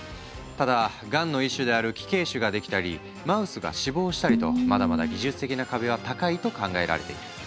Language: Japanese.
ただがんの一種である奇形腫が出来たりマウスが死亡したりとまだまだ技術的な壁は高いと考えられている。